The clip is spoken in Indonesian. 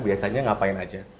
biasanya ngapain aja